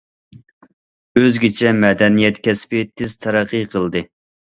ئۆزگىچە مەدەنىيەت كەسپى تېز تەرەققىي قىلدى.